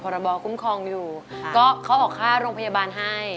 บอคุ้มครองอยู่ก็เขาออกค่าโรงพยาบาลให้